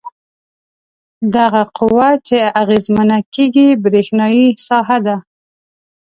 دغه قوه چې اغیزمنه کیږي برېښنايي ساحه ده.